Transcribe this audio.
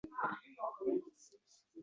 Gangib, poylariga o‘tirdim men